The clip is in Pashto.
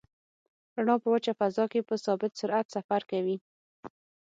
رڼا په وچه فضا کې په ثابت سرعت سفر کوي.